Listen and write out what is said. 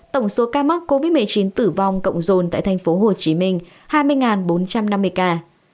tổng số ca mắc covid một mươi chín tử vong cộng dồn tại tp hcm hai mươi bốn trăm năm mươi ca